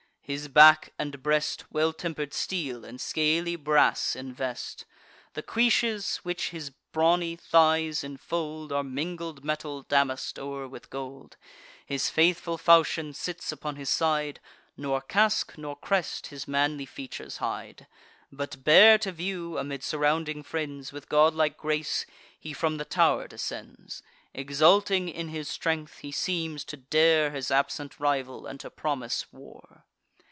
His back and breast Well temper'd steel and scaly brass invest: The cuishes which his brawny thighs infold Are mingled metal damask'd o'er with gold. His faithful falchion sits upon his side; Nor casque, nor crest, his manly features hide: But, bare to view, amid surrounding friends, With godlike grace, he from the tow'r descends. Exulting in his strength, he seems to dare His absent rival, and to promise war.